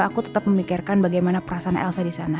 aku tetap memikirkan bagaimana perasaan elsa di sana